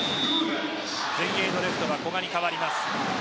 前衛のレフトは古賀に代わります。